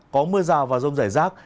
có mưa rào và rông rải rác